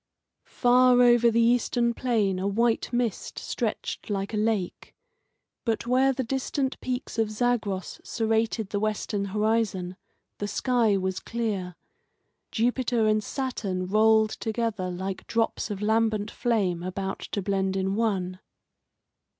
Far over the eastern plain a white mist stretched like a lake. But where the distant peaks of Zagros serrated the western horizon the sky was clear. Jupiter and Saturn rolled together like drops of lambent flame about to blend in one.